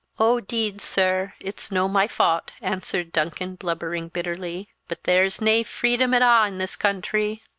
"Oh 'deed, sir, it's no' my faut!" answered Duncan, blubbering bitterly; "but there's nae freedom at a' in this country.